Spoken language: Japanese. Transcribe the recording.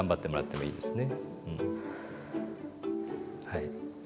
はい。